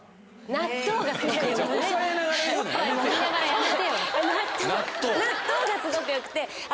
納豆納豆がすごく良くて。